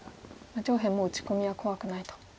上辺もう打ち込みは怖くないと。